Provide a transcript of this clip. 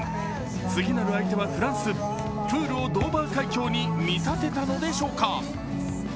次なる相手はフランス、プールをドーバー海峡に見立てたのでしょうか。